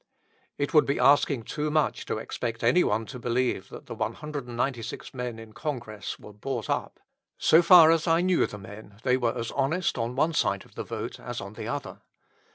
It would be asking too much to expect anyone to believe that the 196 men in Congress were bought up. So far as I knew the men, they were as honest on one side of the vote as on the other.